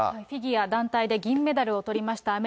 フィギュア団体で銀メダルをとりました